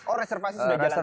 oh reservasi sudah jalan